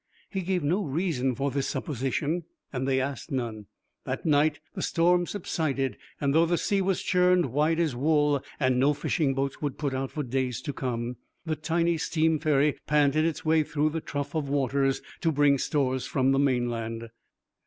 He gave no reason for this supposition, and they asked none. That night the storm subsided, and though the sea was churned white as wool, and no fishing boats would put out for days to come, the tiny steam ferry panted its way through the trough of waters to bring stores from the mainland.